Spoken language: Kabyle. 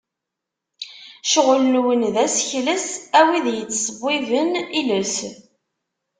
Ccɣel-nwen d asekles, a wid yettṣewwiben iles.